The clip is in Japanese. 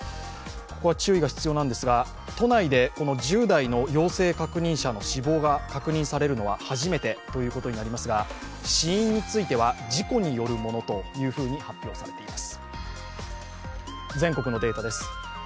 ここは注意が必要なんですが、都内で１０代の陽性確認者が確認されるのは初めてということになりますが、死因については事故によるものと発表されています。